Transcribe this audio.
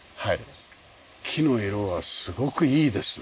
木の色がすごくいいですね。